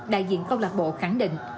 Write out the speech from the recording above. đại diện câu lạc bộ khẳng định